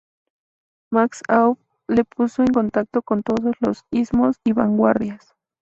Max Aub le puso en contacto con todos los "ismos" y vanguardias.